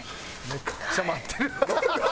めっちゃ待ってる。